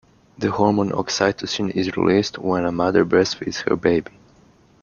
The hormone oxytocin is released when a mother breastfeeds her baby.